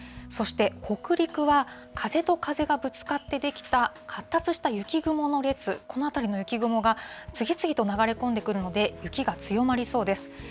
そして北陸は、風と風がぶつかって出来た発達した雪雲の列、この辺りの雪雲が、次々と流れ込んでくるので、雪が強まりそうです。